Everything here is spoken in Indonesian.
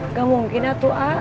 nggak mungkin atu ah